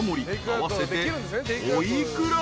［合わせてお幾ら？］